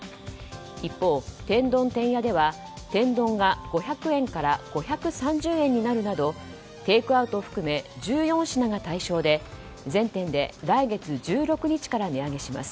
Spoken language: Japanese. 一方、天丼てんやでは天丼が５００円から５３０円になるなどテイクアウトを含め１４品が対象で全店で来月１６日から値上げします。